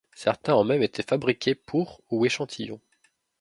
Certaines ont même été fabriquées pour ou échantillons.